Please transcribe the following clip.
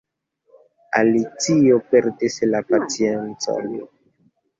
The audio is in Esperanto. Alicio perdis la paciencon.